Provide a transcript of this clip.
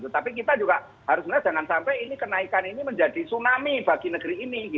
tapi kita juga harus melihat jangan sampai ini kenaikan ini menjadi tsunami bagi negeri ini